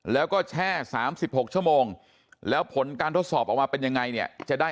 แล้วก็แช่๓๖ชั่วโมงแล้วผลการทดสอบออกมาเป็นยังไงเนี่ยจะได้